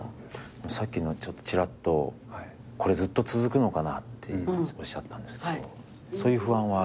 さっきのちらっと「これずっと続くのかな」っておっしゃったんですけどそういう不安はある？